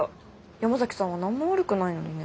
山崎さんは何も悪くないのにね。